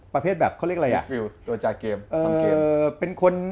พระเภทเขาเรียกอะไร